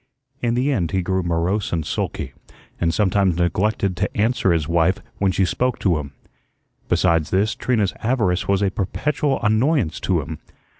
In the end he grew morose and sulky, and sometimes neglected to answer his wife when she spoke to him. Besides this, Trina's avarice was a perpetual annoyance to him.